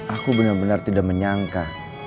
aku benar benar tidak menyangka